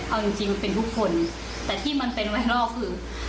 เอาจริงมันเป็นทุกคนแต่ที่มันเป็นไว้รอคือ